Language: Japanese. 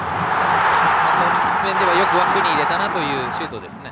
その面ではよく枠に入れたなというシュートでした。